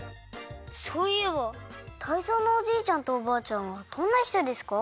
そういえばタイゾウのおじいちゃんとおばあちゃんはどんなひとですか？